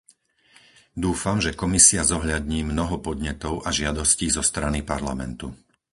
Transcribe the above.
Dúfam, že Komisia zohľadní mnoho podnetov a žiadostí zo strany Parlamentu.